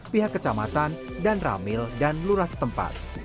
pihak kecamatan dan ramil dan lurah setempat